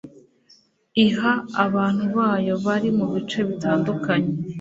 iha abantu bayo bari mu bice bitandukanye